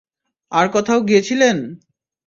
আর কোথাও গিয়েছিলেন?